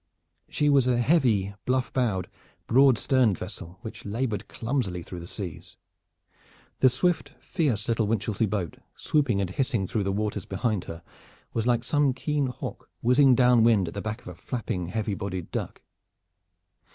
She was a heavy, bluff bowed, broad sterned vessel which labored clumsily through the seas. The swift, fierce little Winchelsea boat swooping and hissing through the waters behind her was like some keen hawk whizzing down wind at the back of a flapping heavy bodied duck.